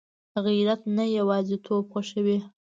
غیرت نه یوازېتوب خوښوي